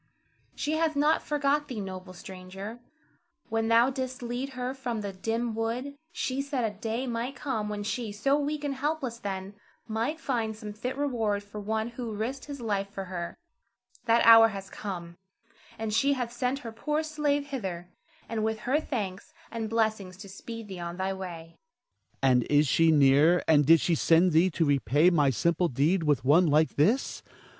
She hath not forgot thee, noble stranger. When thou didst lead her from the dim wood, she said a day might come when she, so weak and helpless then, might find some fit reward for one who risked his life for her. That hour hath come, and she hath sent her poor slave hither, and with her thanks and blessing to speed thee on thy way. Ernest. And is she near, and did she send thee to repay my simple deed with one like this?